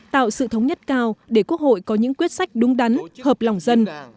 tạo sự thống nhất cao để quốc hội có những quyết sách đúng đắn hợp lòng dân